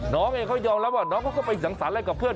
น้องเองเขายอมรับว่าน้องเขาก็ไปสังสรรค์อะไรกับเพื่อน